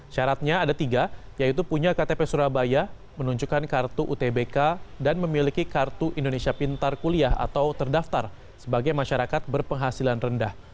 syaratnya ada tiga yaitu punya ktp surabaya menunjukkan kartu utbk dan memiliki kartu indonesia pintar kuliah atau terdaftar sebagai masyarakat berpenghasilan rendah